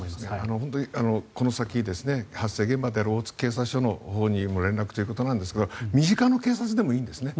本当にこの先発生現場の警察署のほうにも連絡ということなんですが身近な警察でもいいんですね。